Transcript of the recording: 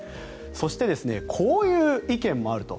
そしてこういう意見もあると。